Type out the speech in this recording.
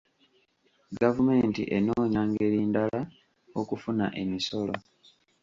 Gavumenti enoonya ngeri ndala okufuna emisolo.